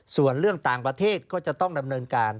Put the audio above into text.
ส่วนเรื่องต่างประเทศก็จะต้องดำเนินการ